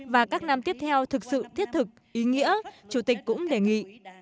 và các năm tiếp theo thực sự thiết thực ý nghĩa chủ tịch cũng đề nghị